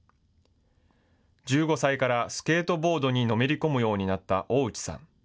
１５歳からスケートボードにのめり込むようになった大内さん。